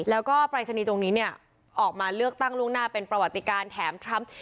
แล้วก็ปรายศนีย์ตรงนี้เนี่ยออกมาเลือกตั้งล่วงหน้าเป็นประวัติการแถมทรัมป์